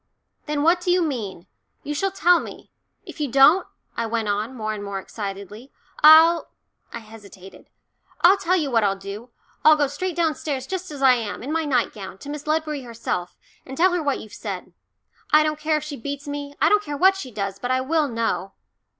"Then what do you mean? You shall tell me if you don't," I went on, more and more excitedly, "I'll " I hesitated "I'll tell you what I'll do, I'll go straight downstairs, just as I am, in my nightgown, to Miss Ledbury herself, and tell her what you've said. I don't care if she beats me, I don't care what she does, but I will know."